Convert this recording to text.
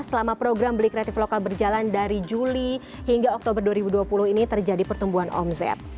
selama program beli kreatif lokal berjalan dari juli hingga oktober dua ribu dua puluh ini terjadi pertumbuhan omzet